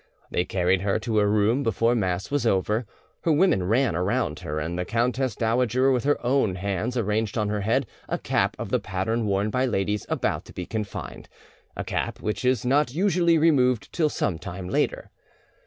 They carried her to her room before mass was over, her women ran around her, and the countess dowager with her own hands arranged on her head a cap of the pattern worn by ladies about to be confined—a cap which is not usually removed till some time later.